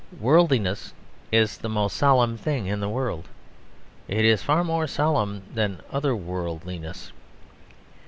Worldliness is the most solemn thing in the world; it is far more solemn than other worldliness.